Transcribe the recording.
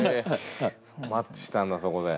マッチしたんだそこで。